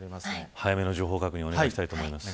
早めの情報確認をお願いしたいと思います。